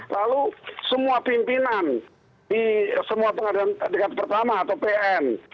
lalu semua pimpinan di semua pengadilan dekat pertama atau pn